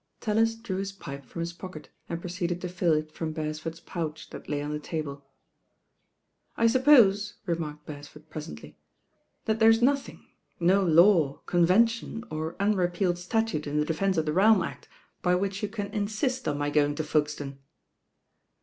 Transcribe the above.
Tallis drew his pipe from his pocket and proceeded to fill it from Beresford's pouch that lay on the table. "I suppose," remarked Beresford presently, "that there 8 nothing, no law, convention or unrepealed statute in the Defense of the Reahn Act by which you can insist on my going t Folkestone."